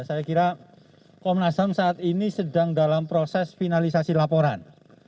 saya kira komnas ham saat ini sedang dalam proses finalisasi laporan